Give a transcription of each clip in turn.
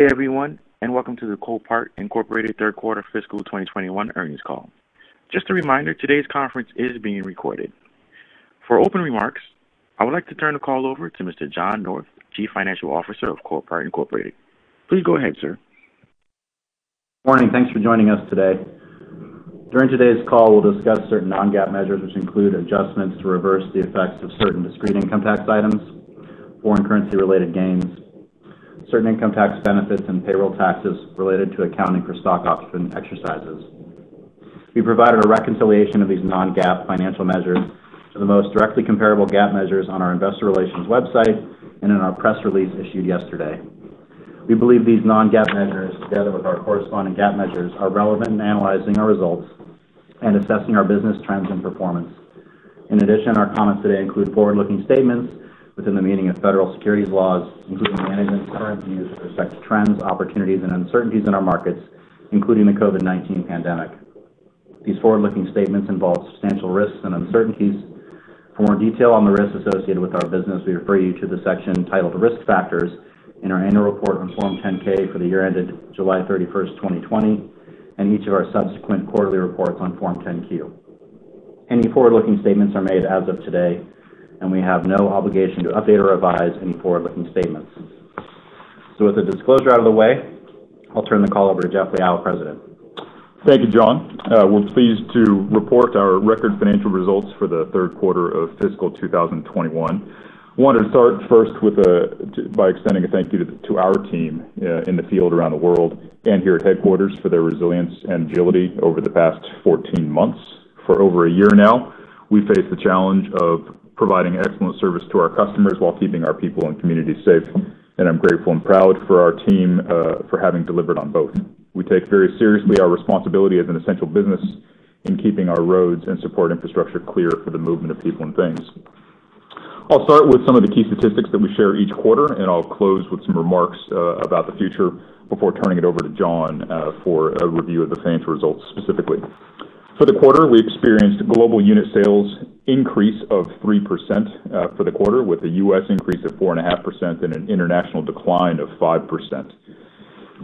Hey everyone, welcome to the Copart Incorporated third quarter fiscal 2021 earnings call. Just a reminder, today's conference is being recorded. For opening remarks, I would like to turn the call over to Mr. John North, Chief Financial Officer of Copart Incorporated. Please go ahead, sir. Morning. Thanks for joining us today. During today's call, we'll discuss certain non-GAAP measures which include adjustments to reverse the effects of certain discrete income tax items, foreign currency-related gains, certain income tax benefits, and payroll taxes related to accounting for stock option exercises. We provide a reconciliation of these non-GAAP financial measures to the most directly comparable GAAP measures on our investor relations website and in our press release issued yesterday. We believe these non-GAAP measures, together with our corresponding GAAP measures, are relevant in analyzing our results and assessing our business trends and performance. In addition, our comments today include forward-looking statements within the meaning of federal securities laws, including management's current views respect to trends, opportunities, and uncertainties in our markets, including the COVID-19 pandemic. These forward-looking statements involve substantial risks and uncertainties. For more detail on the risks associated with our business, we refer you to the section titled Risk Factors in our annual report on Form 10-K for the year ended July 31st, 2020, and each of our subsequent quarterly reports on Form 10-Q. Any forward-looking statements are made as of today, and we have no obligation to update or revise any forward-looking statements. With the disclosure out of the way, I'll turn the call over to Jeff Liaw, President. Thank you, John. We're pleased to report our record financial results for the third quarter of fiscal 2021. I wanted to start first by extending a thank you to our team in the field around the world and here at headquarters for their resilience and agility over the past 14 months. For over a year now, we faced the challenge of providing excellent service to our customers while keeping our people and community safe. I'm grateful and proud for our team for having delivered on both. We take very seriously our responsibility as an essential business in keeping our roads and support infrastructure clear for the movement of people and things. I'll start with some of the key statistics that we share each quarter. I'll close with some remarks about the future before turning it over to John for a review of the financial results specifically. For the quarter, we experienced a global unit sales increase of 3% for the quarter, with a U.S. increase of 4.5% and an international decline of 5%.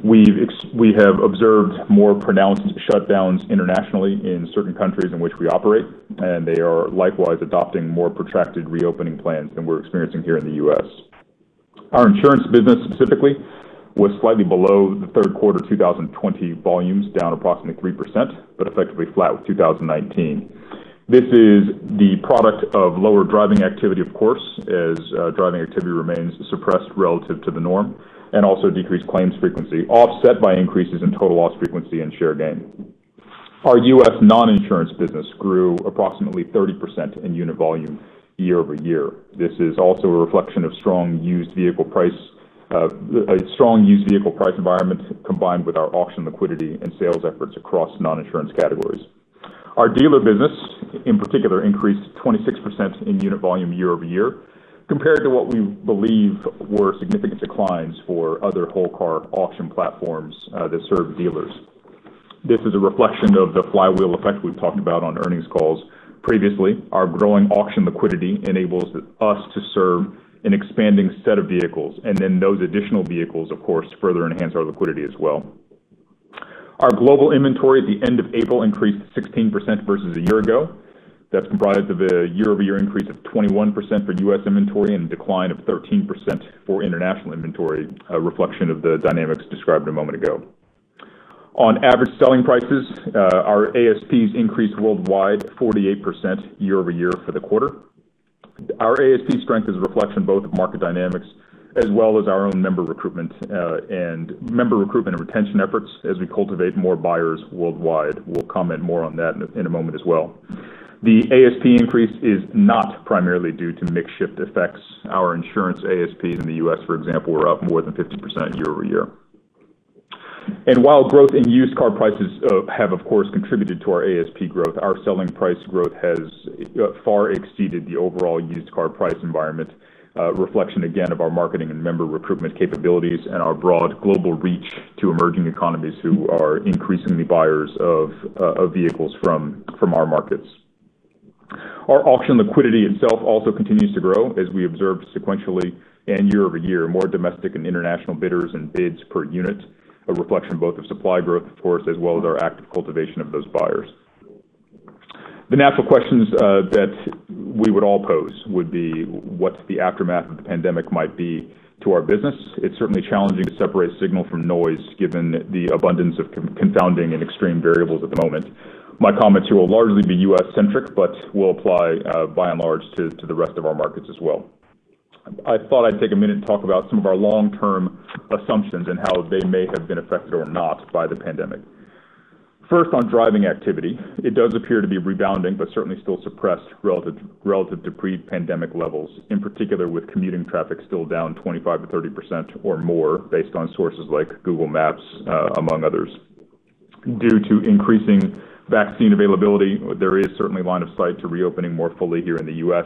We have observed more pronounced shutdowns internationally in certain countries in which we operate, and they are likewise adopting more protracted reopening plans than we're experiencing here in the U.S. Our insurance business specifically was slightly below the third quarter 2020 volumes, down approximately 3%, but effectively flat with 2019. This is the product of lower driving activity, of course, as driving activity remains suppressed relative to the norm, and also decreased claims frequency, offset by increases in total loss frequency and share gain. Our U.S. non-insurance business grew approximately 30% in unit volume year-over-year. This is also a reflection of a strong used vehicle price environment combined with our auction liquidity and sales efforts across non-insurance categories. Our dealer business, in particular, increased 26% in unit volume year-over-year, compared to what we believe were significant declines for other whole car auction platforms that serve dealers. This is a reflection of the flywheel effect we've talked about on earnings calls previously. Our growing auction liquidity enables us to serve an expanding set of vehicles, and then those additional vehicles, of course, further enhance our liquidity as well. Our global inventory at the end of April increased 16% versus a year ago. That's comprised of a year-over-year increase of 21% for U.S. inventory and a decline of 13% for international inventory, a reflection of the dynamics described a moment ago. On average selling prices, our ASPs increased worldwide 48% year-over-year for the quarter. Our ASP strength is a reflection both of market dynamics as well as our own member recruitment and retention efforts as we cultivate more buyers worldwide. We'll comment more on that in a moment as well. The ASP increase is not primarily due to mix shift effects. Our insurance ASP in the U.S., for example, were up more than 50% year-over-year. While growth in used car prices have, of course, contributed to our ASP growth, our selling price growth has far exceeded the overall used car price environment, a reflection again of our marketing and member recruitment capabilities and our broad global reach to emerging economies who are increasingly buyers of vehicles from our markets. Our auction liquidity itself also continues to grow as we observe sequentially and year-over-year, more domestic and international bidders and bids per unit, a reflection both of supply growth, of course, as well as our active cultivation of those buyers. The natural questions that we would all pose would be what the aftermath of the pandemic might be to our business. It's certainly challenging to separate signal from noise given the abundance of confounding and extreme variables at the moment. My comments here will largely be U.S.-centric, but will apply by and large to the rest of our markets as well. I thought I'd take a minute to talk about some of our long-term assumptions and how they may have been affected or not by the pandemic. First, on driving activity, it does appear to be rebounding, but certainly still suppressed relative to pre-pandemic levels, in particular with commuting traffic still down 25%-30% or more based on sources like Google Maps, among others. Due to increasing vaccine availability, there is certainly line of sight to reopening more fully here in the U.S.,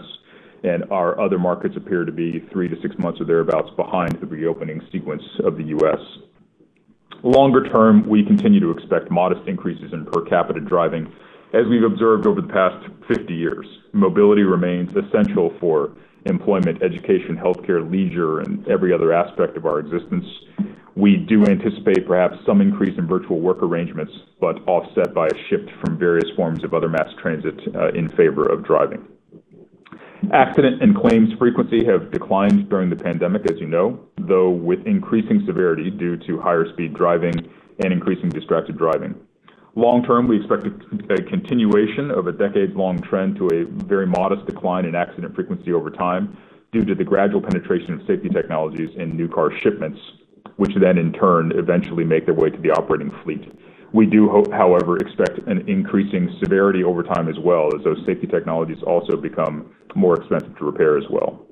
and our other markets appear to be three to six months or thereabouts behind the reopening sequence of the U.S. Longer term, we continue to expect modest increases in per capita driving, as we've observed over the past 50 years. Mobility remains essential for employment, education, healthcare, leisure, and every other aspect of our existence. We do anticipate perhaps some increase in virtual work arrangements, but offset by a shift from various forms of other mass transit in favor of driving. Accident and claims frequency have declined during the pandemic, as you know, though with increasing severity due to higher speed driving and increasing distracted driving. Long term, we expect a continuation of a decades-long trend to a very modest decline in accident frequency over time due to the gradual penetration of safety technologies in new car shipments, which then in turn eventually make their way to the operating fleet. We do, however, expect an increasing severity over time as well as those safety technologies also become more expensive to repair as well.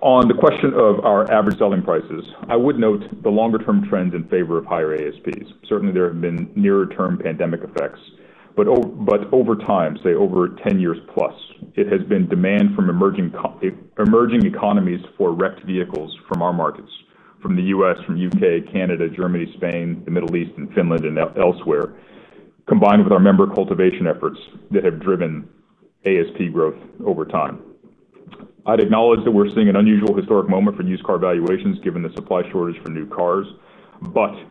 On the question of our average selling prices, I would note the longer-term trend in favor of higher ASPs. Certainly, there have been nearer-term pandemic effects. Over time, say, over 10 years plus, it has been demand from emerging economies for wrecked vehicles from our markets, from the U.S., from U.K., Canada, Germany, Spain, the Middle East, and Finland, and elsewhere, combined with our member cultivation efforts that have driven ASP growth over time. I'd acknowledge that we're seeing an unusual historic moment for used car valuations given the supply shortage for new cars.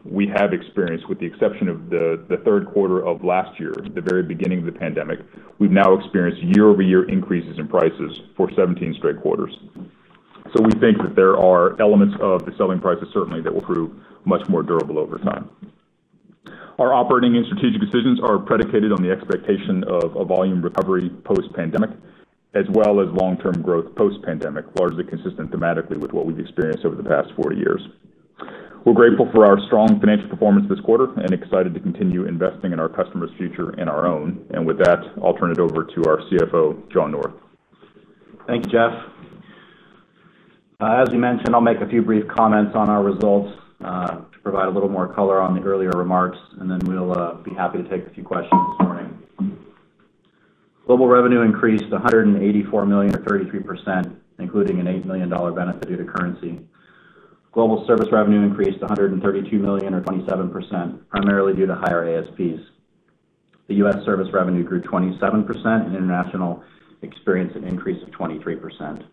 We have experienced, with the exception of the third quarter of last year, the very beginning of the pandemic, we've now experienced year-over-year increases in prices for 17 straight quarters. We think that there are elements of the selling prices certainly that will prove much more durable over time. Our operating and strategic decisions are predicated on the expectation of a volume recovery post-pandemic, as well as long-term growth post-pandemic, largely consistent thematically with what we've experienced over the past four years. We're grateful for our strong financial performance this quarter and excited to continue investing in our customers' future and our own. With that, I'll turn it over to our CFO, John North. Thanks, Jeff. As he mentioned, I'll make a few brief comments on our results to provide a little more color on the earlier remarks, and then we'll be happy to take a few questions from you. Global revenue increased $184 million or 33%, including an $8 million benefit due to currency. Global service revenue increased $132 million or 27%, primarily due to higher ASPs. The U.S. service revenue grew 27%, and international experienced an increase of 23%.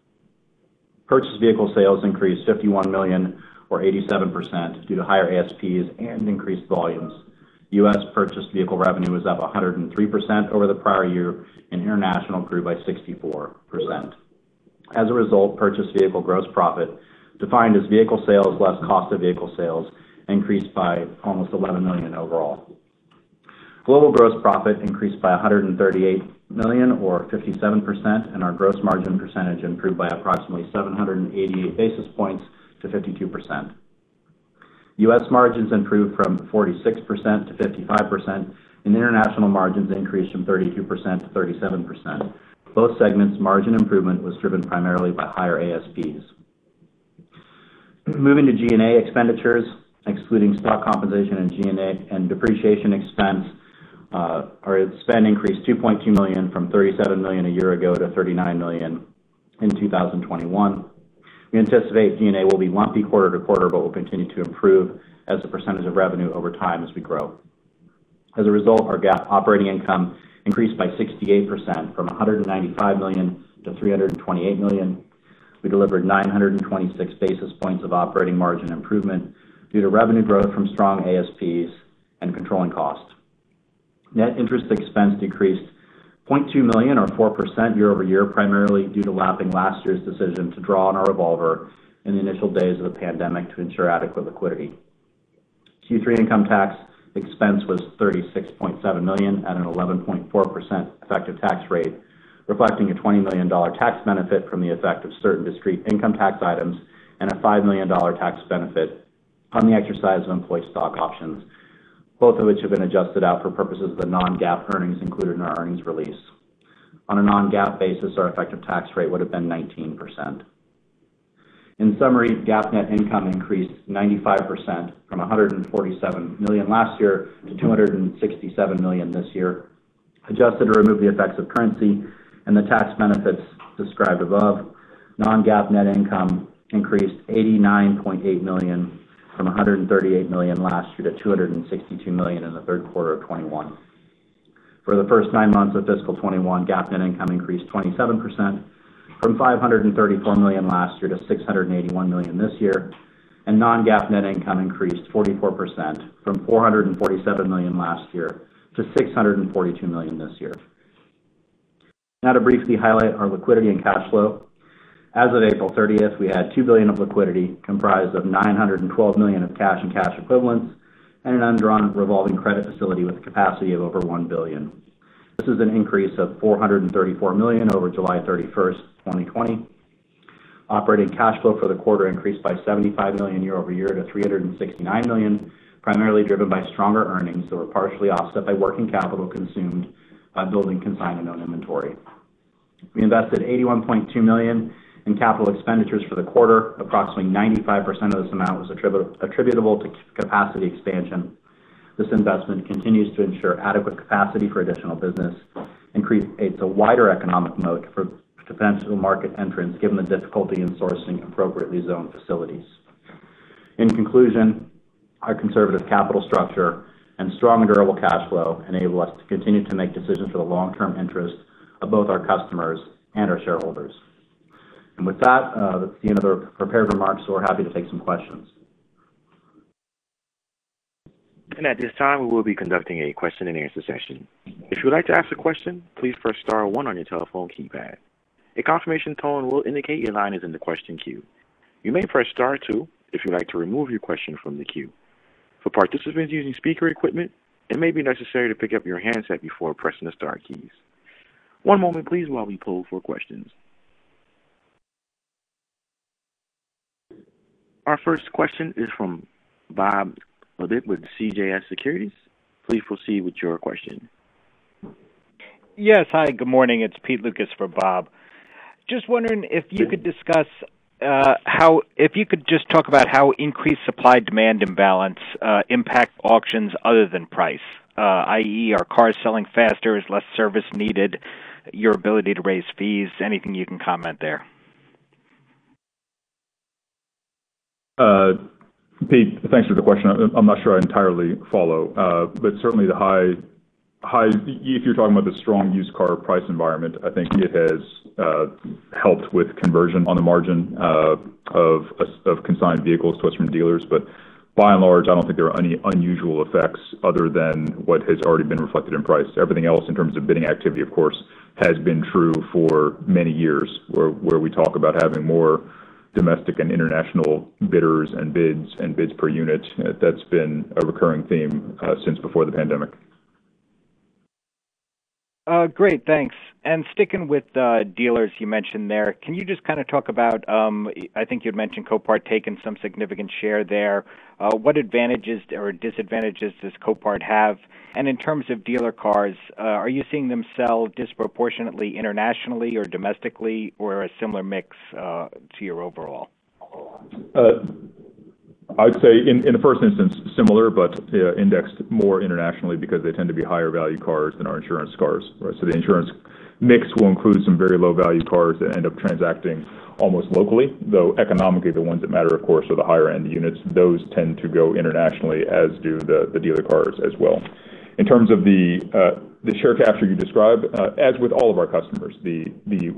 Purchased vehicle sales increased $51 million or 87% due to higher ASPs and increased volumes. U.S. purchased vehicle revenue was up 103% over the prior year, and international grew by 64%. As a result, purchased vehicle gross profit, defined as vehicle sales less cost of vehicle sales, increased by almost $11 million overall. Global gross profit increased by $138 million or 57%. Our gross margin percentage improved by approximately 780 basis points to 52%. U.S. margins improved from 46% to 55%. International margins increased from 32% to 37%. Both segments' margin improvement was driven primarily by higher ASPs. Moving to G&A expenditures, excluding stock compensation and G&A and depreciation expense, our spend increased $2.2 million from $37 million a year ago to $39 million in 2021. We anticipate G&A will be lumpy quarter to quarter but will continue to improve as a percentage of revenue over time as we grow. As a result, our GAAP operating income increased by 68%, from $195 million to $328 million. We delivered 926 basis points of operating margin improvement due to revenue growth from strong ASPs and controlling costs. Net interest expense decreased $0.2 million or 4% year-over-year, primarily due to lapping last year's decision to draw on our revolver in the initial days of the pandemic to ensure adequate liquidity. Q3 income tax expense was $36.7 million at an 11.4% effective tax rate, reflecting a $20 million tax benefit from the effect of certain discrete income tax items and a $5 million tax benefit from the exercise of employee stock options. Both of which have been adjusted out for purposes of the non-GAAP earnings included in our earnings release. On a non-GAAP basis, our effective tax rate would have been 19%. In summary, GAAP net income increased 95%, from $147 million last year to $267 million this year. Adjusted to remove the effects of currency and the tax benefits described above, non-GAAP net income increased $89.8 million from $138 million last year to $262 million in the third quarter of 2021. For the first nine months of fiscal 2021, GAAP net income increased 27%, from $534 million last year to $681 million this year, and non-GAAP net income increased 44%, from $447 million last year to $642 million this year. Now to briefly highlight our liquidity and cash flow. As of April 30th, we had $2 billion of liquidity, comprised of $912 million of cash and cash equivalents and an undrawn revolving credit facility with capacity of over $1 billion. This is an increase of $434 million over July 31st, 2020. Operating cash flow for the quarter increased by $75 million year-over-year to $369 million, primarily driven by stronger earnings that were partially offset by working capital consumed by building consign and owned inventory. We invested $81.2 million in capital expenditures for the quarter. Approximately 95% of this amount was attributable to capacity expansion. This investment continues to ensure adequate capacity for additional business and creates a wider economic moat for defensive market entrants, given the difficulty in sourcing appropriately zoned facilities. In conclusion, our conservative capital structure and strong durable cash flow enable us to continue to make decisions for the long-term interest of both our customers and our shareholders. With that's the end of the prepared remarks. We're happy to take some questions. At this time, we will be conducting a question and answer session. If you would like to ask a question, please press star one on your telephone keypad. A confirmation tone will indicate your line is in the question queue. You may press star two if you would like to remove your question from the queue. For participants using speaker equipment, it may be necessary to pick up your handset before pressing the star key. One moment please while we poll for questions. Our first question is from Bob Labick with CJS Securities. Please proceed with your question. Yes. Hi, good morning. It's Pete Lukas for Bob. Just wondering if you could just talk about how increased supply-demand imbalance impact auctions other than price, i.e., are cars selling faster, is less service needed, your ability to raise fees? Anything you can comment there. Pete, thanks for the question. I'm not sure I entirely follow. Certainly the high, if you're talking about the strong used car price environment, I think it has helped with conversion on the margin of consigned vehicles to us from dealers. By and large, I don't think there are any unusual effects other than what has already been reflected in price. Everything else in terms of bidding activity, of course, has been true for many years, where we talk about having more domestic and international bidders and bids per unit. That's been a recurring theme since before the pandemic. Great, thanks. Sticking with dealers you mentioned there, can you just kind of talk about, I think you had mentioned Copart taking some significant share there. What advantages or disadvantages does Copart have? In terms of dealer cars, are you seeing them sell disproportionately internationally or domestically, or a similar mix to your overall? I'd say in the first instance, similar, but indexed more internationally because they tend to be higher value cars than our insurance cars. The insurance mix will include some very low-value cars that end up transacting almost locally, though economically, the ones that matter, of course, are the higher-end units. Those tend to go internationally, as do the dealer cars as well. In terms of the share capture you describe, as with all of our customers,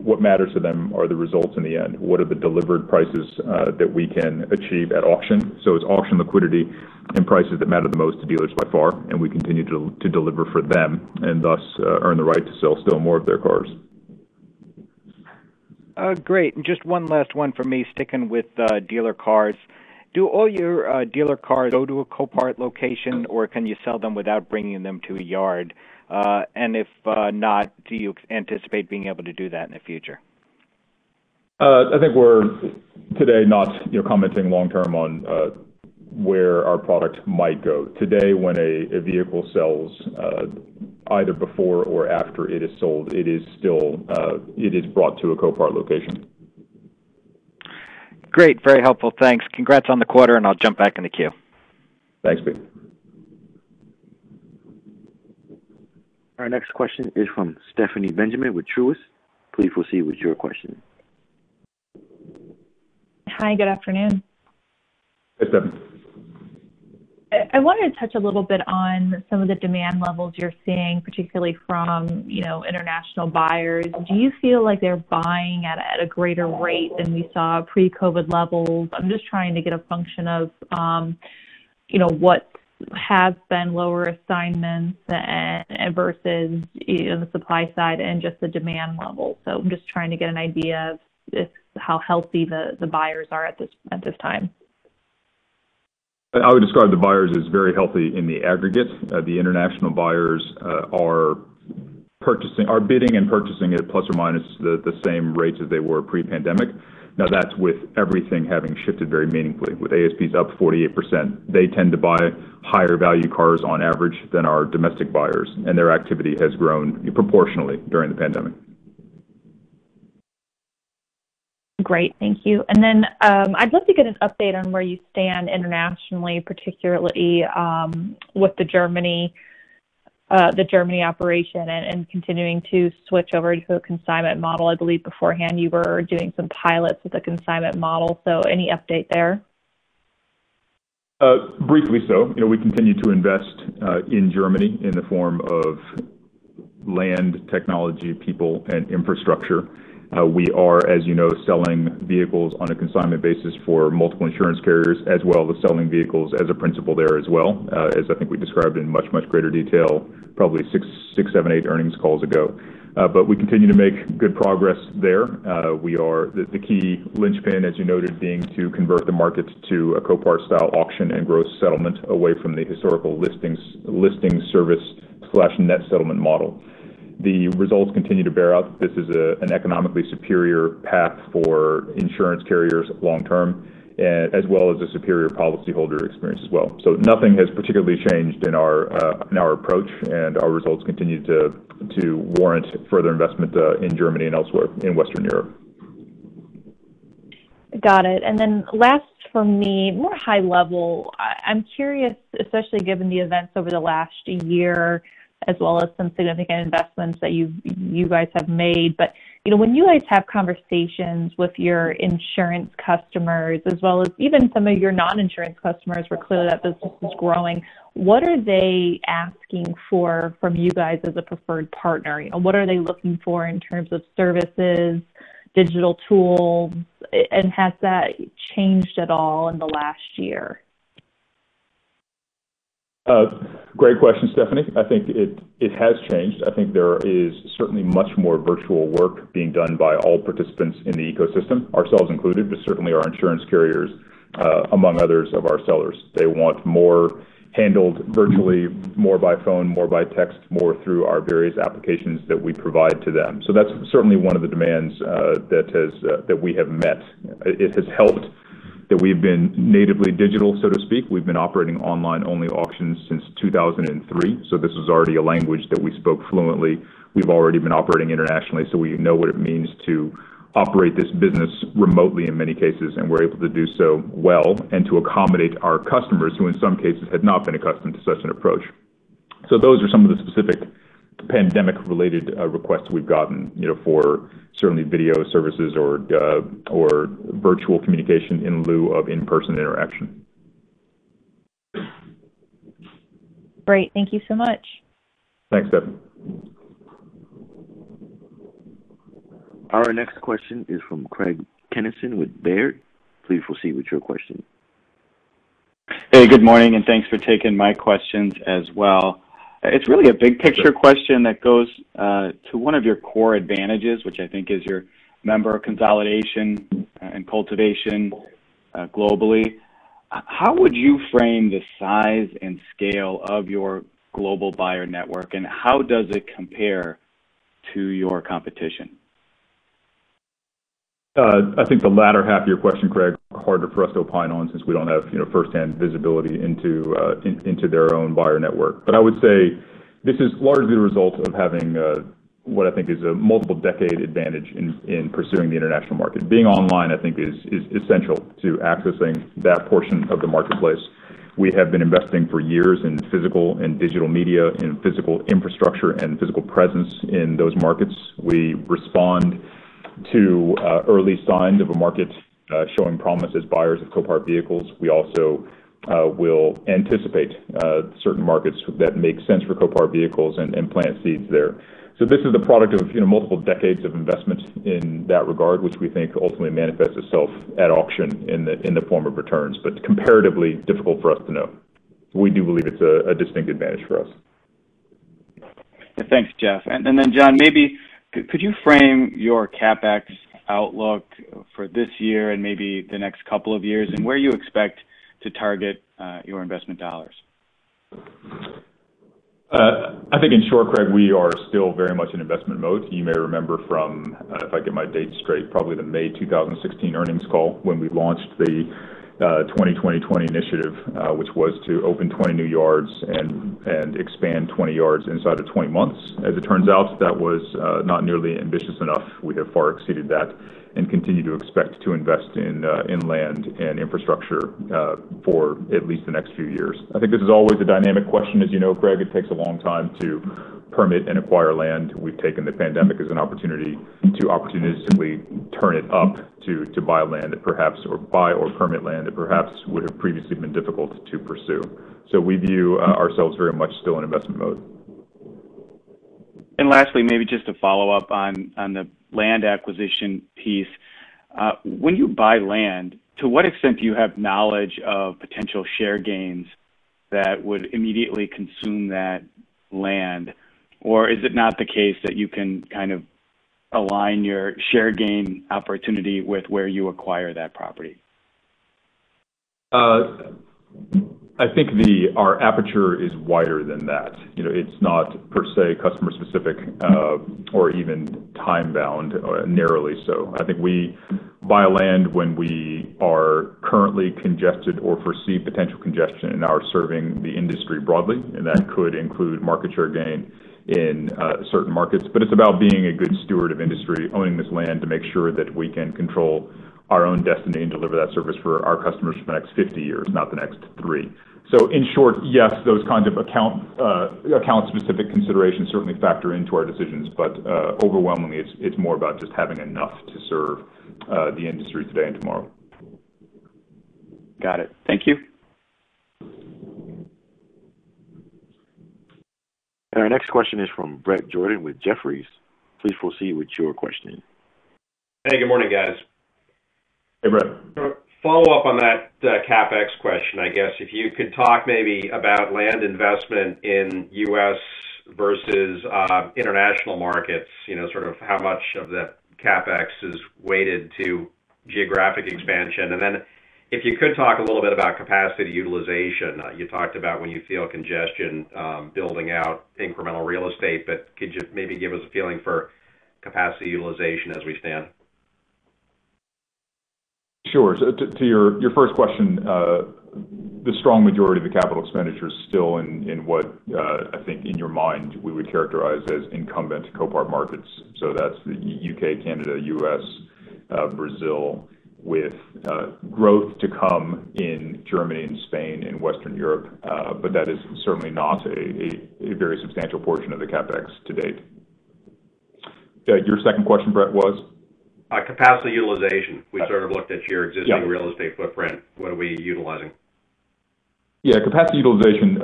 what matters to them are the results in the end. What are the delivered prices that we can achieve at auction? It's auction liquidity and prices that matter the most to dealers by far, and we continue to deliver for them and thus earn the right to sell still more of their cars. Great. Just one last one from me, sticking with dealer cars. Do all your dealer cars go to a Copart location, or can you sell them without bringing them to a yard? If not, do you anticipate being able to do that in the future? I think we're today not commenting long term on where our product might go. Today, when a vehicle sells, either before or after it is sold, it is brought to a Copart location. Great. Very helpful. Thanks. Congrats on the quarter. I'll jump back in the queue. Thanks, Pete. Our next question is from Stephanie Benjamin with Truist. Please proceed with your question. Hi, good afternoon. Hey, Stephanie. I wanted to touch a little bit on some of the demand levels you're seeing, particularly from international buyers. Do you feel like they're buying at a greater rate than we saw pre-COVID levels? I'm just trying to get a function of what has been lower assignments versus the supply side and just the demand level. I'm just trying to get an idea of how healthy the buyers are at this point of time. I would describe the buyers as very healthy in the aggregate. The international buyers are bidding and purchasing at plus or minus the same rates as they were pre-pandemic. That's with everything having shifted very meaningfully. With ASPs up 48%, they tend to buy higher value cars on average than our domestic buyers, and their activity has grown proportionally during the pandemic. Great, thank you. I'd love to get an update on where you stand internationally, particularly with the Germany operation and continuing to switch over to a consignment model. I believe beforehand you were doing some pilots with a consignment model. Any update there? Briefly. We continue to invest in Germany in the form of land, technology, people, and infrastructure. We are, as you know, selling vehicles on a consignment basis for multiple insurance carriers, as well as selling vehicles as a principal there as well, as I think we described in much, much greater detail probably six, seven, eight earnings calls ago. We continue to make good progress there. The key linchpin, as you noted, being to convert the markets to a Copart-style auction and gross settlement away from the historical listing service/net settlement model. The results continue to bear out that this is an economically superior path for insurance carriers long term, as well as a superior policyholder experience as well. Nothing has particularly changed in our approach, and our results continue to warrant further investment in Germany and elsewhere in Western Europe. Got it. Last from me, more high level, I'm curious, especially given the events over the last year as well as some significant investments that you guys have made, but when you guys have conversations with your insurance customers as well as even some of your non-insurance customers, we're clear that business is growing, what are they asking for from you guys as a preferred partner? What are they looking for in terms of services, digital tools, and has that changed at all in the last year? Great question, Stephanie. I think it has changed. I think there is certainly much more virtual work being done by all participants in the ecosystem, ourselves included, but certainly our insurance carriers, among others of our sellers. They want more handled virtually, more by phone, more by text, more through our various applications that we provide to them. That's certainly one of the demands that we have met. It has helped that we've been natively digital, so to speak. We've been operating online-only auctions since 2003, so this is already a language that we spoke fluently. We've already been operating internationally, so we know what it means to operate this business remotely in many cases, and we're able to do so well and to accommodate our customers who in some cases had not been accustomed to such an approach. Those are some of the specific pandemic-related requests we've gotten for certainly video services or virtual communication in lieu of in-person interaction. Great. Thank you so much. Thanks, Steph. Our next question is from Craig Kennison with Baird. Please proceed with your question. Hey, good morning, and thanks for taking my questions as well. It's really a big picture question that goes to one of your core advantages, which I think is your member consolidation and cultivation globally. How would you frame the size and scale of your global buyer network, and how does it compare to your competition? I think the latter half of your question, Craig, hard for us to opine on since we don't have firsthand visibility into their own buyer network. I would say this is largely a result of having what I think is a multiple-decade advantage in pursuing the international market. Being online I think is essential to accessing that portion of the marketplace. We have been investing for years in physical and digital media, in physical infrastructure, and physical presence in those markets. We respond to early signs of a market showing promise as buyers of Copart vehicles. We also will anticipate certain markets that make sense for Copart vehicles and implant seeds there. This is a product of multiple decades of investments in that regard, which we think ultimately manifests itself at auction in the form of returns. Comparatively difficult for us to know. We do believe it's a distinct advantage for us. Thanks, Jeff. John, maybe could you frame your CapEx outlook for this year and maybe the next couple of years and where you expect to target your investment dollars? I think in short, Craig, we are still very much in investment mode. You may remember from, if I get my dates straight, probably the May 2016 earnings call when we launched the 20/20/20 initiative, which was to open 20 new yards and expand 20 yards inside of 20 months. As it turns out, that was not nearly ambitious enough. We have far exceeded that and continue to expect to invest in inland and infrastructure for at least the next few years. I think this is always a dynamic question. As you know, Craig, it takes a long time to permit and acquire land. We've taken the pandemic as an opportunity to opportunistically turn it up to buy land that perhaps, or buy or permit land that perhaps would have previously been difficult to pursue. We view ourselves very much still in investment mode. Lastly, maybe just to follow up on the land acquisition piece. When you buy land, to what extent do you have knowledge of potential share gains that would immediately consume that land? Is it not the case that you can kind of align your share gain opportunity with where you acquire that property? I think our aperture is wider than that. It's not per se customer specific or even time-bound narrowly so. I think we buy land when we are currently congested or foresee potential congestion in our serving the industry broadly. That could include market share gain in certain markets. It's about being a good steward of industry, owning this land to make sure that we can control our own destiny and deliver that service for our customers for the next 50 years, not the next three. In short, yes, those kinds of account specific considerations certainly factor into our decisions. Overwhelmingly, it's more about just having enough to serve the industry today and tomorrow. Got it. Thank you. Our next question is from Bret Jordan with Jefferies. Please proceed with your question. Hey, good morning, guys. Hey, Bret. Follow up on that CapEx question, I guess. If you could talk maybe about land investment in U.S. versus international markets, sort of how much of that CapEx is weighted to geographic expansion. Then if you could talk a little bit about capacity utilization. You talked about when you feel congestion building out incremental real estate, but could you maybe give us a feeling for capacity utilization as we stand? Sure. To your first question. The strong majority of the capital expenditure is still in what, I think in your mind, we would characterize as incumbent Copart markets. That's the U.K., Canada, U.S., Brazil, with growth to come in Germany and Spain and Western Europe. That is certainly not a very substantial portion of the CapEx to date. Your second question, Bret, was? Capacity utilization. We sort of looked at your existing real estate footprint, what are we utilizing. Yeah. Capacity utilization,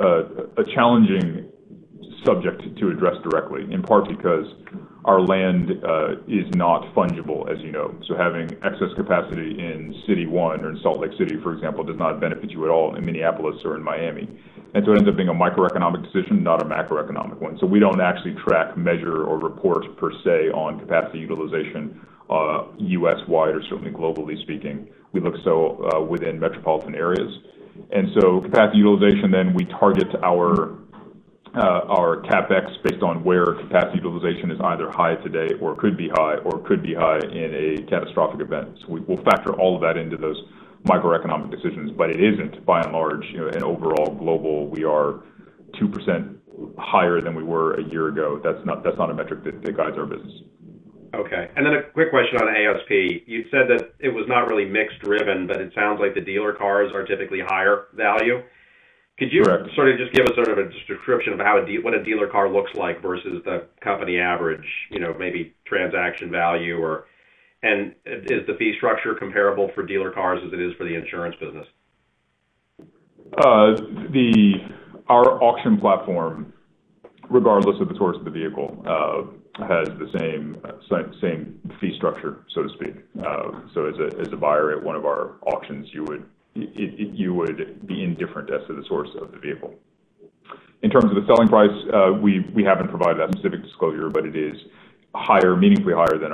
a challenging subject to address directly, in part because our land is not fungible, as you know. Having excess capacity in city one or in Salt Lake City, for example, does not benefit you at all in Minneapolis or in Miami. It ends up being a microeconomic decision, not a macroeconomic one. We don't actually track, measure, or report per se on capacity utilization, U.S.-wide or certainly globally speaking. We look so within metropolitan areas. Capacity utilization, then we target our CapEx based on where capacity utilization is either high today or could be high or could be high in a catastrophic event. We'll factor all of that into those microeconomic decisions. It isn't by and large, in overall global, we are 2% higher than we were a year ago. That's not a metric that guides our business. Okay. A quick question on ASP. You said that it was not really mix driven, but it sounds like the dealer cars are typically higher value. Correct. Could you sort of just give a description of what a dealer car looks like versus the company average, maybe transaction value? Is the fee structure comparable for dealer cars as it is for the insurance business? Our auction platform, regardless of the source of the vehicle, has the same fee structure, so to speak. As a buyer at one of our auctions, you would be indifferent as to the source of the vehicle. In terms of the selling price, we haven't provided that specific disclosure, but it is meaningfully higher than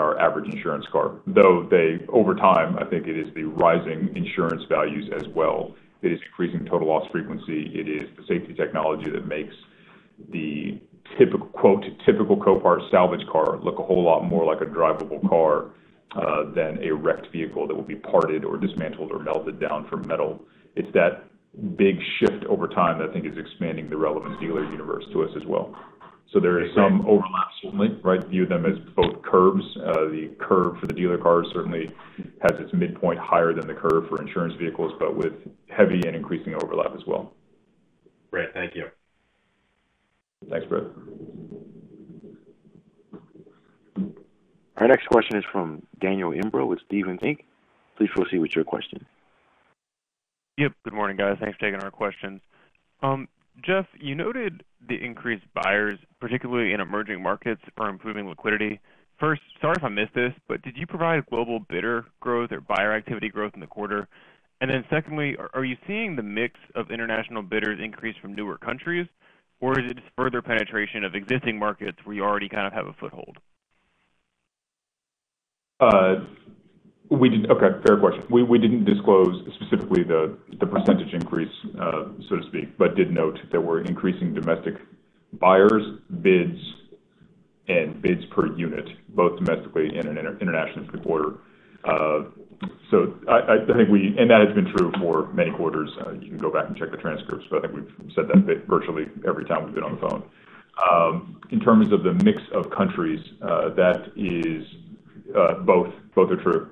our average insurance car, though over time, I think it is the rising insurance values as well. It is increasing total loss frequency. It is safety technology that makes the quote, typical Copart salvage car look a whole lot more like a drivable car than a wrecked vehicle that will be parted or dismantled or melted down for metal. It's that big shift over time that I think is expanding the relevant dealer universe to us as well. There is some overlap, certainly. View them as both curves. The curve for the dealer cars certainly has its midpoint higher than the curve for insurance vehicles, but with heavy and increasing overlap as well. Great. Thank you. Thanks, Bret. Our next question is from Daniel Imbro with Stephens Inc. Please proceed with your question. Yep. Good morning, guys. Thanks for taking our questions. Jeff, you noted the increased buyers, particularly in emerging markets are improving with clarity. First, sorry if I missed this, but did you provide global bidder growth or buyer activity growth in the quarter? Secondly, are you seeing the mix of international bidders increase from newer countries, or is it just further penetration of existing markets where you already have a foothold? Okay. Fair question. We didn't disclose specifically the percentage increase, so to speak, but did note that we're increasing domestic buyers, bids, and bids per unit, both domestically and internationally quarter. That has been true for many quarters. You can go back and check the transcripts, but I think we've said that bit virtually every time we've been on the phone. In terms of the mix of countries, that is both are true.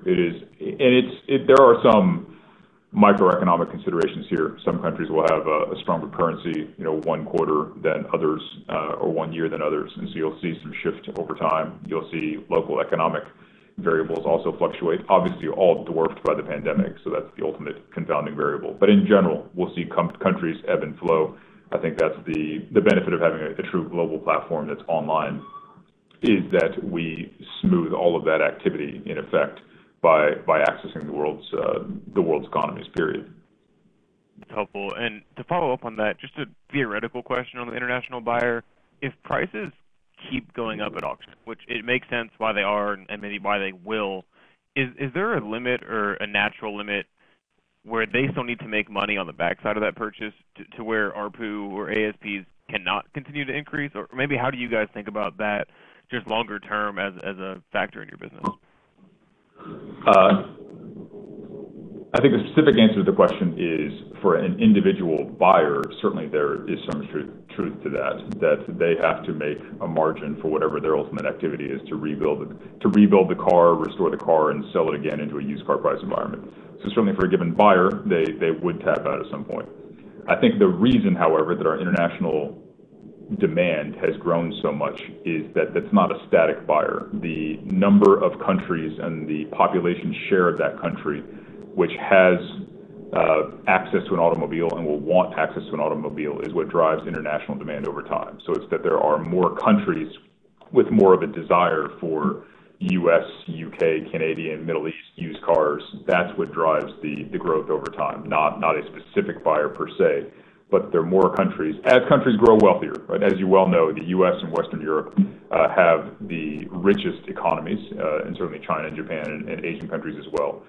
There are some microeconomic considerations here. Some countries will have a stronger currency one quarter than others or one year than others. You'll see some shifts over time. You'll see local economic variables also fluctuate, obviously all dwarfed by the pandemic, so that's the ultimate confounding variable. In general, we'll see countries ebb and flow. I think that's the benefit of having a true global platform that's online is that we smooth all of that activity in effect by accessing the world's economies, period. That's helpful. To follow up on that, just a theoretical question on the international buyer. If prices keep going up at auctions, which it makes sense why they are and maybe why they will, is there a limit or a natural limit where they still need to make money on the backside of that purchase to where ARPU or ASPs cannot continue to increase? Maybe how do you guys think about that just longer term as a factor in your business? I think a specific answer to the question is for an individual buyer, certainly there is some truth to that they have to make a margin for whatever their ultimate activity is to rebuild the car, restore the car, and sell it again into a used car price environment. Certainly for a given buyer, they would tap out at some point. I think the reason, however, that our international demand has grown so much is that that's not a static buyer. The number of countries and the population share of that country, which has access to an automobile and will want access to an automobile, is what drives international demand over time. It's that there are more countries with more of a desire for U.S., U.K., Canadian, Middle East used cars. That's what drives the growth over time, not a specific buyer per se, but there are more countries. As countries grow wealthier, as you well know, the U.S. and Western Europe have the richest economies, and certainly China and Japan and Asian countries as well.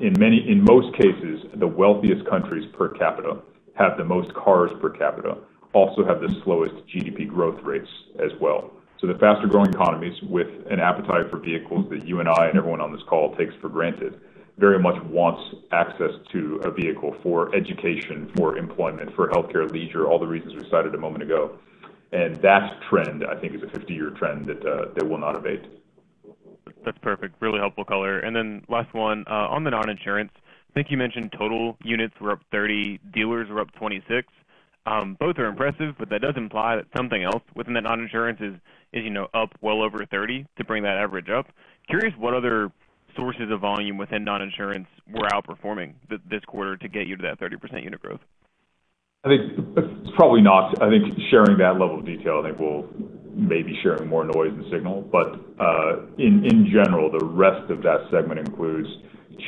In most cases, the wealthiest countries per capita have the most cars per capita, also have the slowest GDP growth rates as well. The faster-growing economies with an appetite for vehicles that you and I and everyone on this call takes for granted, very much wants access to a vehicle for education, for employment, for healthcare, leisure, all the reasons we cited a moment ago. That trend, I think, is a 50-year trend that will not abate. That's perfect. Really helpful color. Last one, on the non-insurance, I think you mentioned total units were up 30%, dealers were up 26%. Both are impressive, but that does imply that something else within the non-insurance is up well over 30% to bring that average up. Curious what other sources of volume within non-insurance were outperforming this quarter to get you to that 30% unit growth. I think sharing that level of detail, I think we'll maybe sharing more noise than signal. In general, the rest of that segment includes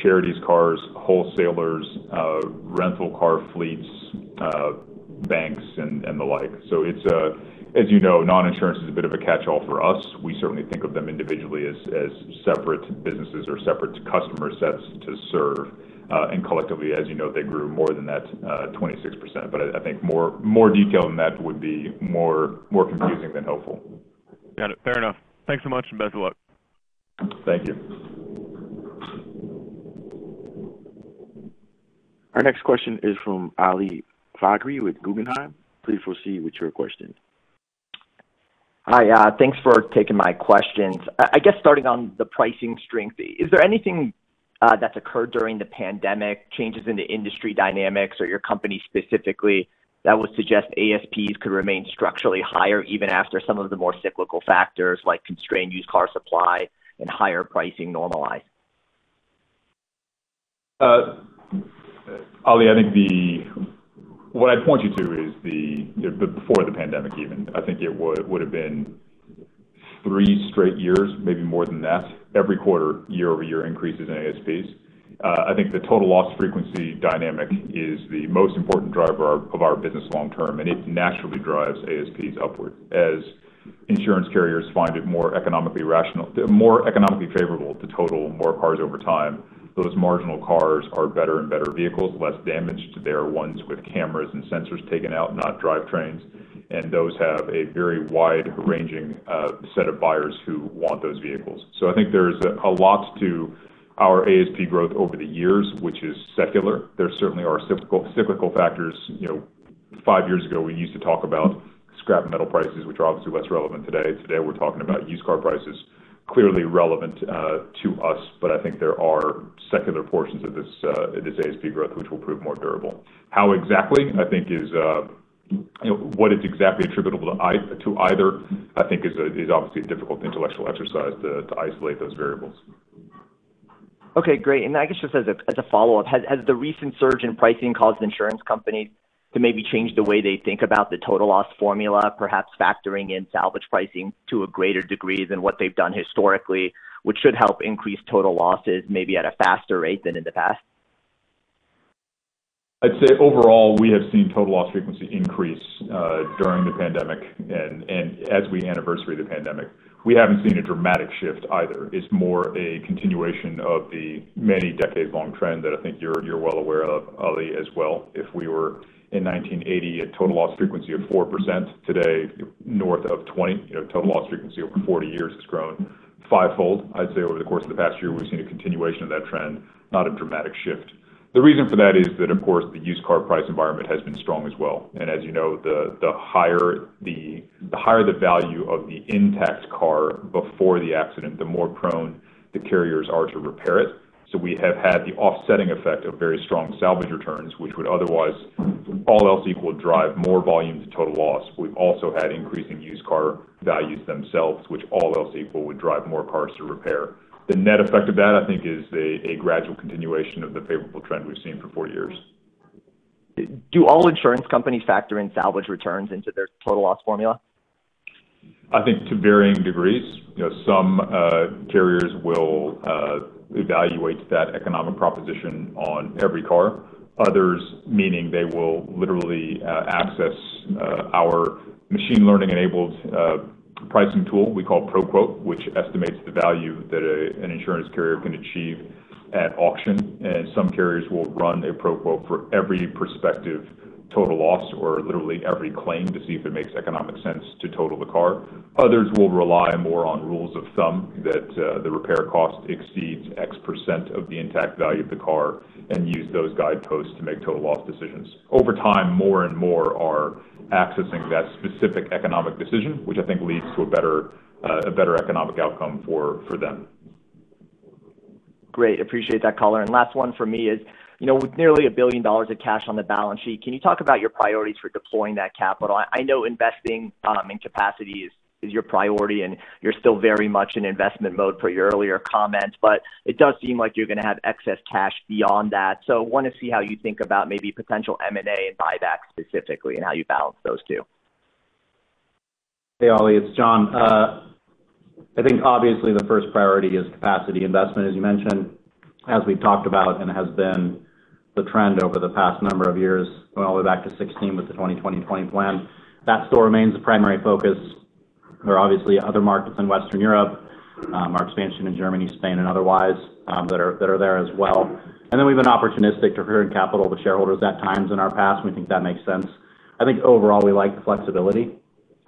charities cars, wholesalers, rental car fleets, banks, and the like. As you know, non-insurance is a bit of a catchall for us. We certainly think of them individually as separate businesses or separate customer sets to serve. Collectively, as you know, they grew more than that, 26%. I think more detail than that would be more confusing than helpful. Got it. Fair enough. Thanks so much, and best of luck. Thank you. Our next question is from Ali Faghri with Guggenheim. Please proceed with your question. Hi. Thanks for taking my questions. I guess starting on the pricing strength, is there anything that's occurred during the pandemic, changes in the industry dynamics or your company specifically, that would suggest ASPs could remain structurally higher even after some of the more cyclical factors like constrained used car supply and higher pricing normalize? Ali, what I'd point you to is before the pandemic even. I think it would've been three straight years, maybe more than that, every quarter, year-over-year increases in ASPs. I think the total loss frequency dynamic is the most important driver of our business long term, and it naturally drives ASPs upward as insurance carriers find it more economically favorable to total more cars over time. Those marginal cars are better and better vehicles, less damage to their ones with cameras and sensors taken out, not drivetrains. Those have a very wide-ranging set of buyers who want those vehicles. I think there's a lot to our ASP growth over the years, which is secular. There certainly are cyclical factors. Five years ago, we used to talk about scrap metal prices, which are obviously less relevant today. Today, we're talking about used car prices, clearly relevant to us. I think there are secular portions of this ASP growth which will prove more durable. What is exactly attributable to either, I think, is obviously a difficult intellectual exercise to isolate those variables. Okay, great. I guess just as a follow-up, has the recent surge in pricing caused insurance companies to maybe change the way they think about the total loss frequency, perhaps factoring in salvage pricing to a greater degree than what they've done historically, which should help increase total losses maybe at a faster rate than in the past? I'd say overall, we have seen total loss frequency increase during the pandemic, and as we anniversary the pandemic. We haven't seen a dramatic shift either. It's more a continuation of the many decades-long trend that I think you're well aware of, Ali, as well. If we were in 1980 at total loss frequency of 4%, today, north of 20%, total loss frequency over 40 years has grown fivefold. I'd say over the course of the past year, we've seen a continuation of that trend, not a dramatic shift. The reason for that is that, of course, the used car price environment has been strong as well. As you know, the higher the value of the intact car before the accident, the more prone the carriers are to repair it. We have had the offsetting effect of very strong salvage returns, which would otherwise, all else equal, drive more volume to total loss. We've also had increasing used car values themselves, which all else equal, would drive more cars to repair. The net effect of that, I think, is a gradual continuation of the favorable trend we've seen for four years. Do all insurance companies factor in salvage returns into their total loss formula? I think to varying degrees. Some carriers will evaluate that economic proposition on every car. Others, meaning they will literally access our machine learning-enabled pricing tool we call ProQuote, which estimates the value that an insurance carrier can achieve at auction. Some carriers will run a ProQuote for every prospective total loss or literally every claim to see if it makes economic sense to total the car. Others will rely more on rules of thumb that the repair cost exceeds X percent of the intact value of the car and use those guideposts to make total loss decisions. Over time, more and more are accessing that specific economic decision, which I think leads to a better economic outcome for them. Great. Appreciate that color. Last one from me is, with nearly $1 billion of cash on the balance sheet, can you talk about your priorities for deploying that capital? I know investing in capacity is your priority, and you're still very much in investment mode per your earlier comments, but it does seem like you're going to have excess cash beyond that. I want to see how you think about maybe potential M&A and buyback specifically, and how you balance those two. Hey, Ali, it's John. I think obviously the first priority is capacity investment, as you mentioned, as we've talked about and has been the trend over the past number of years, going all the way back to 2016 with the 20/20/20 plan. That still remains the primary focus. There are obviously other markets in Western Europe, our expansion in Germany, Spain, and otherwise, that are there as well. We've been opportunistic, returning capital to shareholders at times in our past, and we think that makes sense. I think overall, we like flexibility.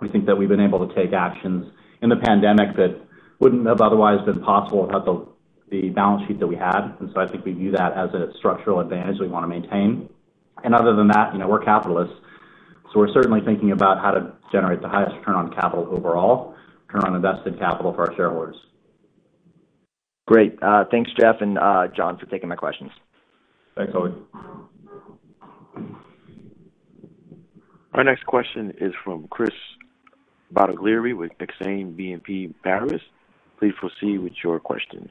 We think that we've been able to take actions in the pandemic that wouldn't have otherwise been possible without the balance sheet that we had. I think we view that as a structural advantage we want to maintain. Other than that, we're capitalists, so we're certainly thinking about how to generate the highest return on capital overall, return on invested capital for our shareholders. Great. Thanks, Jeff and John, for taking my questions. Thanks, Ali. Our next question is from Chris Bottiglieri with Exane BNP Paribas. Please proceed with your question.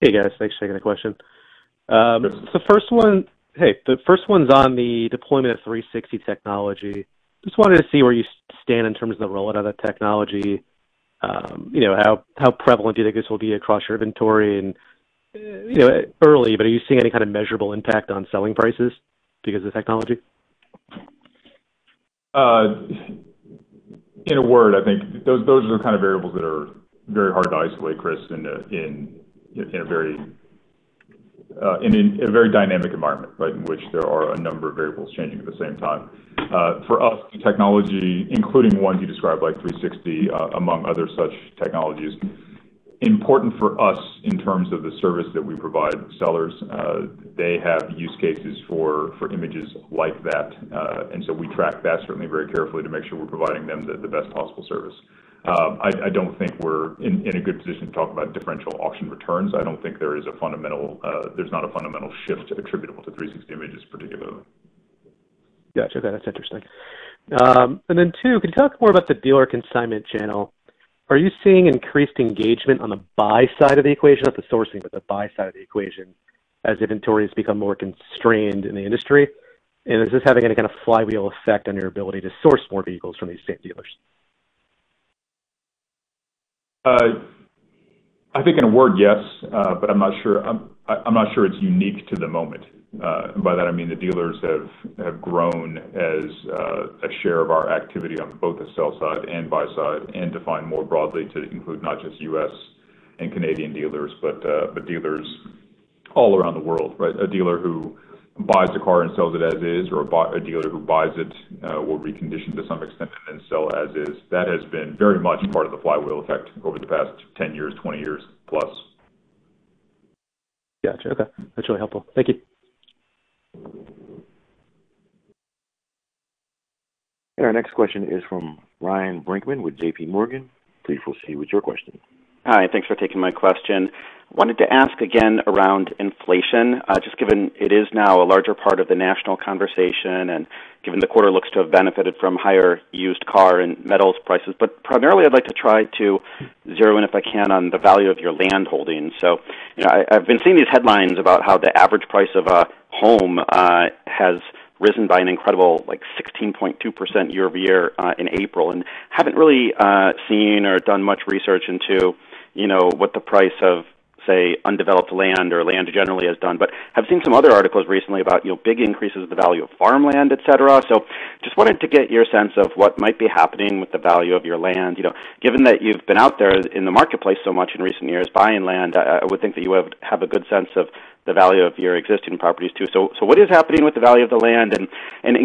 Hey, guys. Thanks for taking the question. Sure. Hey, the first one's on the deployment of 360 technology. Just wanted to see where you stand in terms of the rollout of technology. How prevalent do you think this will be across your inventory? Early, but are you seeing any kind of measurable impact on selling prices because of the technology? In a word, I think those are the kind of variables that are very hard to isolate, Chris, in a very dynamic environment, in which there are a number of variables changing at the same time. For us, technology, including one you described like 360, among other such technologies, important for us in terms of the service that we provide sellers. They have use cases for images like that. We track that certainly very carefully to make sure we're providing them the best possible service. I don't think we're in a good position to talk about differential auction returns. I don't think there's a fundamental shift attributable to 360 images particularly. Gotcha. That's interesting. Two, can you talk more about the dealer consignment channel? Are you seeing increased engagement on the buy side of the equation, not the sourcing, but the buy side of the equation as inventories become more constrained in the industry? Is this having any kind of flywheel effect on your ability to source more vehicles from these same dealers? I think in a word, yes. I'm not sure it's unique to the moment. By that I mean the dealers have grown as a share of our activity on both the sell side and buy side, and defined more broadly to include not just U.S. and Canadian dealers, but dealers all around the world. A dealer who buys a car and sells it as is, or a dealer who buys it, will recondition to some extent and then sell as is. That has been very much part of the flywheel effect over the past 10 years, 20 years plus. Gotcha. Okay. That's really helpful. Thank you. Our next question is from Ryan Brinkman with JPMorgan. Please proceed with your question. Hi, thanks for taking my question. Wanted to ask again around inflation, just given it is now a larger part of the national conversation, and given the quarter looks to have benefited from higher used car and metals prices. Primarily, I'd like to try to zero in, if I can, on the value of your land holdings. I've been seeing these headlines about how the average price of a home has risen by an incredible 16.2% year-over-year in April, and haven't really seen or done much research into what the price of, say, undeveloped land or land generally has done. Have seen some other articles recently about big increases in the value of farmland, et cetera. Just wanted to get your sense of what might be happening with the value of your land. Given that you've been out there in the marketplace so much in recent years buying land, I would think that you would have a good sense of the value of your existing properties, too. What is happening with the value of the land?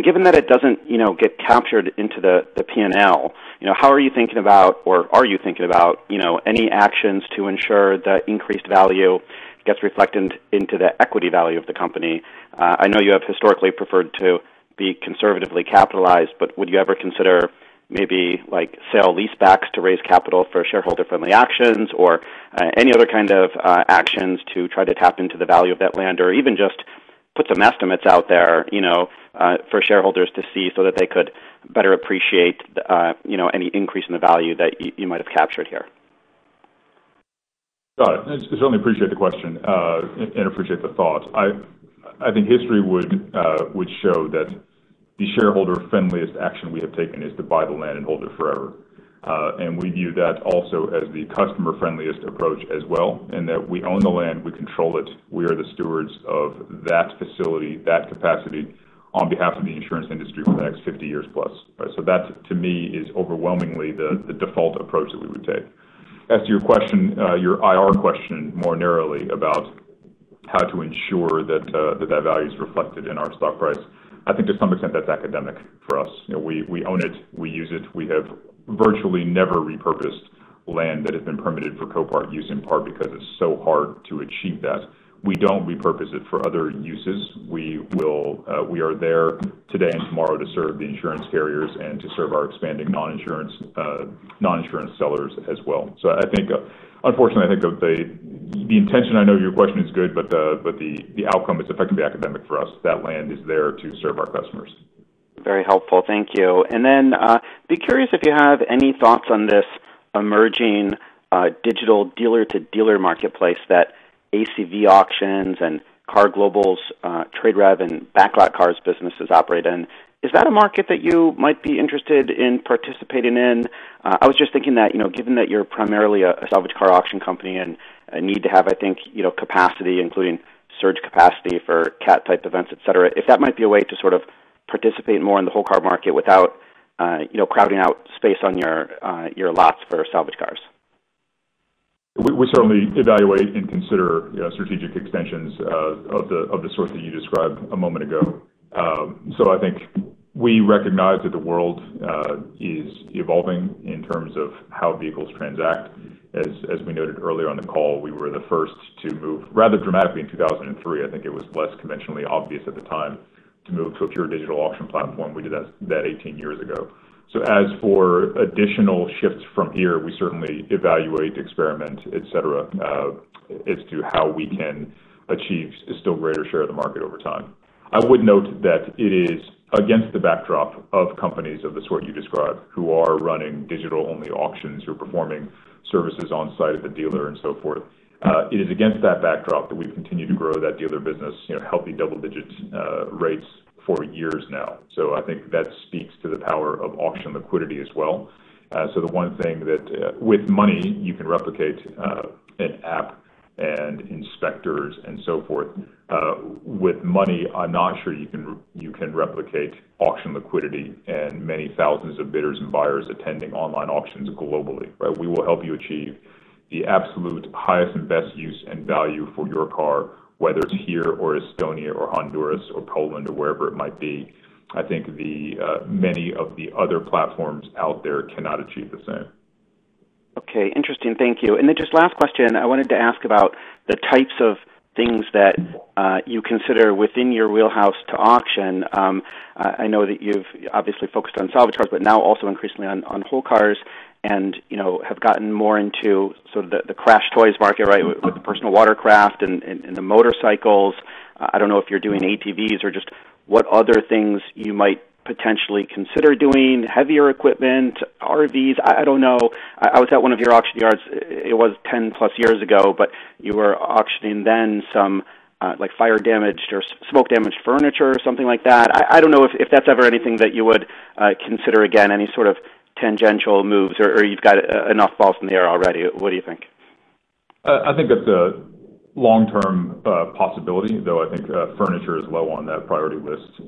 Given that it doesn't get captured into the P&L, how are you thinking about, or are you thinking about any actions to ensure that increased value gets reflected into the equity value of the company? I know you have historically preferred to be conservatively capitalized, would you ever consider maybe sale-leasebacks to raise capital for shareholder-friendly actions or any other kind of actions to try to tap into the value of that land? Even just put some estimates out there for shareholders to see so that they could better appreciate any increase in the value that you might have captured here. Got it. Certainly appreciate the question and appreciate the thought. I think history would show that the shareholder-friendliest action we have taken is to buy the land and hold it forever. We view that also as the customer-friendliest approach as well, in that we own the land, we control it. We are the stewards of that facility, that capacity on behalf of the insurance industry for the next 50 years plus. That, to me, is overwhelmingly the default approach that we would take. As to your IR question more narrowly about how to ensure that that value is reflected in our stock price. I think to some extent that's academic for us. We own it. We use it. We have virtually never repurposed land that had been permitted for Copart use, in part because it's so hard to achieve that. We don't repurpose it for other uses. We are there today and tomorrow to serve the insurance carriers and to serve our expanding non-insurance sellers as well. Unfortunately, I think the intention, I know your question is good, but the outcome is effectively academic for us. That land is there to serve our customers. Very helpful. Thank you. Then be curious if you have any thoughts on this emerging digital dealer-to-dealer marketplace that ACV Auctions and KAR Global's TradeRev and BacklotCars businesses operate in. Is that a market that you might be interested in participating in? I was just thinking that given that you're primarily a salvage car auction company and need to have, I think capacity, including surge capacity for CAT type events, et cetera, if that might be a way to sort of participate more in the whole car market without crowding out space on your lots for salvage cars We certainly evaluate and consider strategic extensions of the sort that you described a moment ago. I think we recognize that the world is evolving in terms of how vehicles transact. As we noted earlier on the call, we were the first to move rather dramatically in 2003. I think it was less conventionally obvious at the time to move to a pure digital auction platform. We did that 18 years ago. As for additional shifts from here, we certainly evaluate, experiment, et cetera, as to how we can achieve a still greater share of the market over time. I would note that it is against the backdrop of companies of the sort you described who are running digital-only auctions, who are performing services on site at the dealer and so forth. It is against that backdrop that we've continued to grow that dealer business, healthy double-digit rates for years now. I think that speaks to the power of auction liquidity as well. The one thing that with money you can replicate an app and inspectors and so forth. With money, I'm not sure you can replicate auction liquidity and many thousands of bidders and buyers attending online auctions globally, right? We will help you achieve the absolute highest and best use and value for your car, whether it's here or Estonia or Honduras or Poland or wherever it might be. I think many of the other platforms out there cannot achieve the same. Okay, interesting. Thank you. Just last question, I wanted to ask about the types of things that you consider within your wheelhouse to auction. I know that you've obviously focused on salvage cars, but now also increasingly on whole cars and have gotten more into the CrashedToys market, right? With the personal watercraft and the motorcycles. I don't know if you're doing ATVs or just what other things you might potentially consider doing. Heavier equipment, RVs, I don't know. I was at one of your auction yards, it was 10+ years ago, you were auctioning then some fire-damaged or smoke-damaged furniture or something like that. I don't know if that's ever anything that you would consider again, any sort of tangential moves or you've got enough balls in the air already. What do you think? I think that's a long-term possibility, though I think furniture is low on that priority list.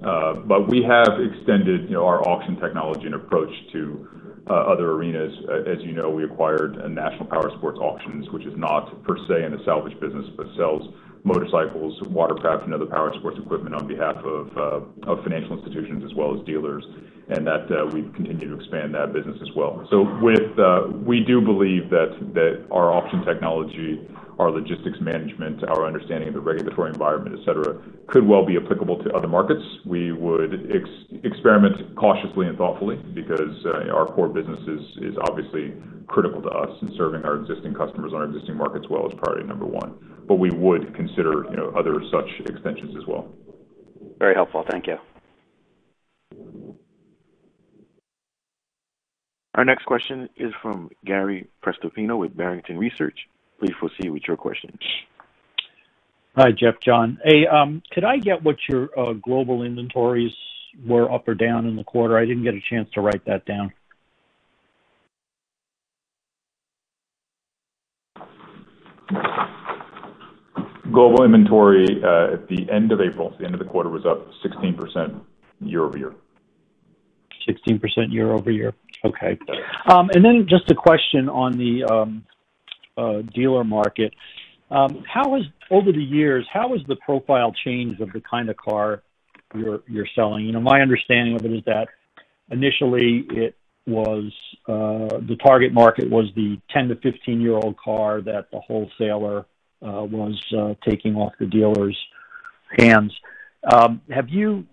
We have extended our auction technology and approach to other arenas. As you know, we acquired National Powersport Auctions, which is not per se in the salvage business, but sells motorcycles, watercraft, and other powersports equipment on behalf of financial institutions as well as dealers. That we've continued to expand that business as well. We do believe that our auction technology, our logistics management, our understanding of the regulatory environment, et cetera, could well be applicable to other markets. We would experiment cautiously and thoughtfully because our core business is obviously critical to us in serving our existing customers and our existing markets well is priority number one. We would consider other such extensions as well. Very helpful. Thank you. Our next question is from Gary Prestopino with Barrington Research. Please proceed with your question. Hi, Jeff, John. Could I get what your global inventories were up or down in the quarter? I didn't get a chance to write that down. Global inventory at the end of April, so the end of the quarter, was up 16% year-over-year. 16% year-over-year. Okay. Just a question on the dealer market. Over the years, how has the profile changed of the kind of car you're selling? My understanding of it is that initially, the target market was the 10-15-year-old car that the wholesaler was taking off the dealers' hands. Have you,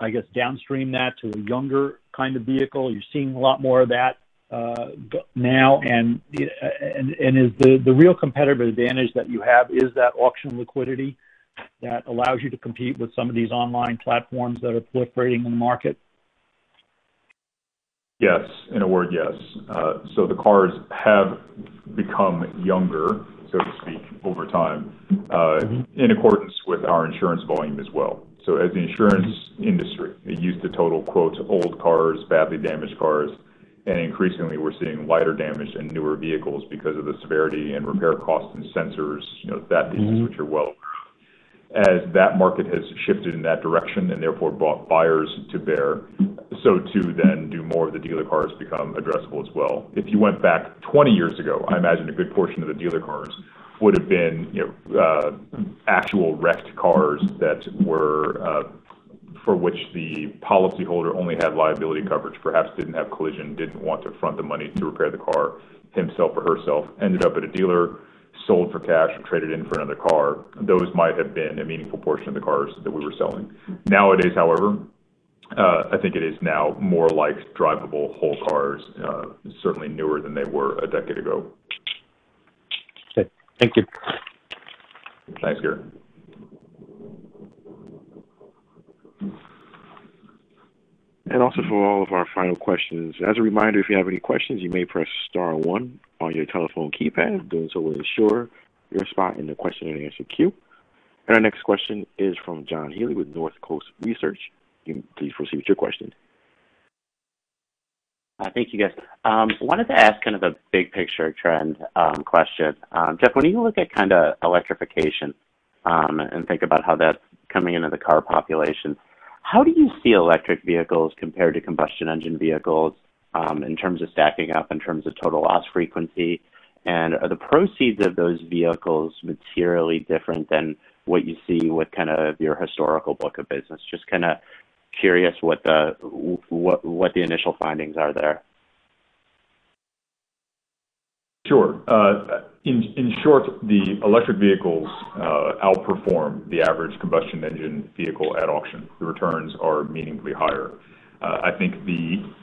I guess, downstreamed that to a younger kind of vehicle? Are you seeing a lot more of that now? The real competitive advantage that you have is that auction liquidity that allows you to compete with some of these online platforms that are proliferating in the market? Yes. In a word, yes. The cars have become younger, so to speak, over time, in accordance with our insurance volume as well. As the insurance industry, they used to total, quote, "old cars, badly damaged cars," and increasingly we're seeing lighter damage in newer vehicles because of the severity and repair costs and sensors, that pieces which you're well aware of. As that market has shifted in that direction and therefore bought buyers to bear, so too then do more of the dealer cars become addressable as well. If you went back 20 years ago, I imagine a good portion of the dealer cars would have been actual wrecked cars for which the policyholder only had liability coverage, perhaps didn't have collision, didn't want to front the money to repair the car himself or herself, ended up at a dealer, sold for cash, or traded in for another car. Those might have been a meaningful portion of the cars that we were selling. Nowadays, however, I think it is now more like drivable whole cars certainly newer than they were a decade ago. Okay. Thank you. Thanks. Also for all of our final questions. As a reminder, if you have any questions, you may press star one on your telephone keypad. Doing so will ensure your spot in the question and answer queue. Our next question is from John Healy with Northcoast Research. You can please proceed with your question. Thank you, guys. Wanted to ask kind of a big picture trend question. Jeff, when you look at electrification and think about how that's coming into the car population, how do you see electric vehicles compared to combustion engine vehicles in terms of staffing up, in terms of total loss frequency? Are the proceeds of those vehicles materially different than what you see with your historical book of business? Just curious what the initial findings are there. Sure. In short, the electric vehicles outperform the average combustion engine vehicle at auction. The returns are meaningfully higher. I think the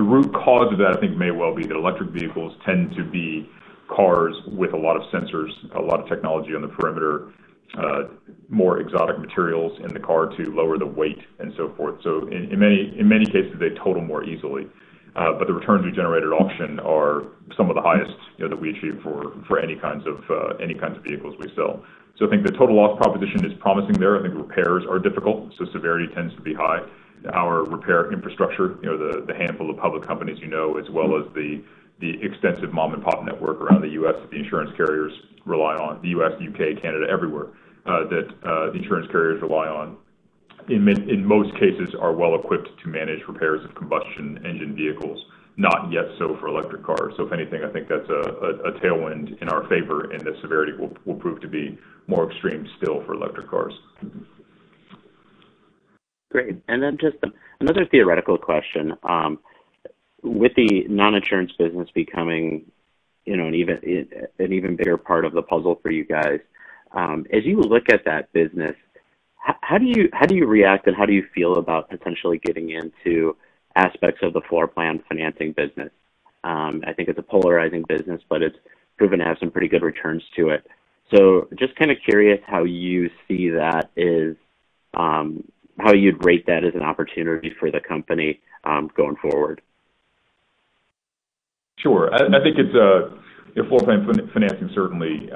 root cause of that may well be that electric vehicles tend to be cars with a lot of sensors, a lot of technology on the perimeter, more exotic materials in the car to lower the weight, and so forth. In many cases, they total more easily. The returns we generate at auction are some of the highest that we achieve for any kinds of vehicles we sell. I think the total loss proposition is promising there. I think repairs are difficult, so severity tends to be high. Our repair infrastructure, the handful of public companies you know, as well as the extensive mom-and-pop network around the U.S. that the insurance carriers rely on, the U.S., U.K., Canada, everywhere, that the insurance carriers rely on, in most cases are well-equipped to manage repairs of combustion engine vehicles, not yet so for electric cars. If anything, I think that's a tailwind in our favor, and the severity will prove to be more extreme still for electric cars. Great. Then just another theoretical question. With the non-insurance business becoming an even bigger part of the puzzle for you guys, as you look at that business, how do you react and how do you feel about potentially getting into aspects of the floor plan financing business? I think it's a polarizing business, but it's proven to have some pretty good returns to it. Just curious how you see that is, how you'd rate that as an opportunity for the company going forward. Sure. I think floor plan financing certainly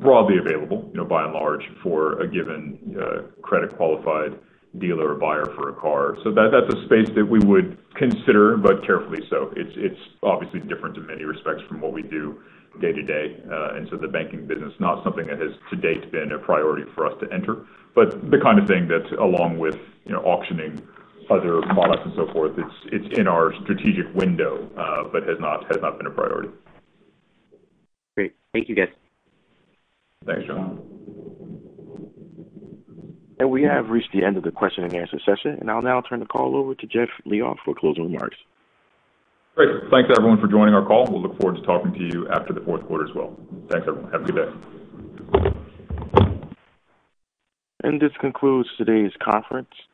broadly available by and large for a given credit-qualified dealer or buyer for a car. That's a space that we would consider, but carefully so. It's obviously different in many respects from what we do day to day into the banking business. Not something that has to date been a priority for us to enter, but the kind of thing that along with auctioning other products and so forth, it's in our strategic window, but has not been a priority. Great. Thank you, guys. Thanks, John. We have reached the end of the question and answer session, and I'll now turn the call over to Jeff Liaw for closing remarks. Great. Thanks, everyone, for joining our call. We'll look forward to talking to you after the fourth quarter as well. Thanks, everyone. Have a good day. This concludes today's conference.